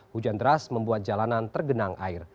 hujan deras membuat jalanan tergenang air